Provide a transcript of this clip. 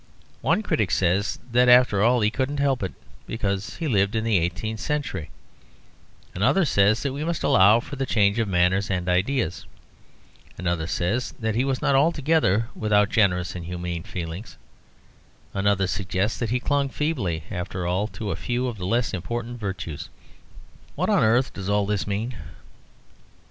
One critic says that after all he couldn't help it, because he lived in the eighteenth century; another says that we must allow for the change of manners and ideas; another says that he was not altogether without generous and humane feelings; another suggests that he clung feebly, after all, to a few of the less important virtues. What on earth does all this mean?